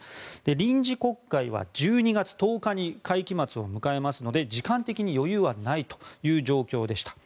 臨時国会は１２月１０日に会期末を迎えますので時間的に余裕はないという状況でした。